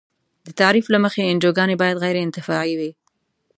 د تعریف له مخې انجوګانې باید غیر انتفاعي وي.